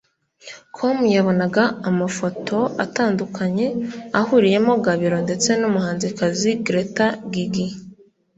com yabonaga amafoto atandukanye ahuriyemo Gabiro ndetse n’umuhanzikazi Gretta Gigi